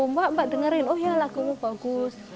mbak mbak dengerin oh ya lagumu bagus